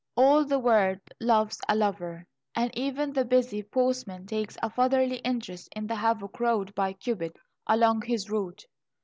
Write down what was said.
"All the world loves a lover," and even the busy postman takes a fatherly interest in the havoc wrought by Cupid along his route.